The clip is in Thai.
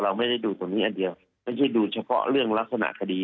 ไม่ได้ดูตรงนี้อันเดียวไม่ใช่ดูเฉพาะเรื่องลักษณะคดี